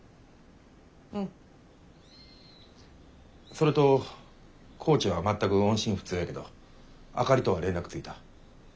それと高知は全く音信不通やけどあかりとは連絡ついた。